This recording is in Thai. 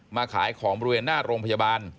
มาขายของบริเวณหน้าโรงพยาบาล